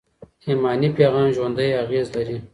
ایماني پیغام ژوندي اغېز لري.